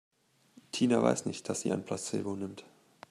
Tina weiß nicht, dass sie ein Placebo nimmt.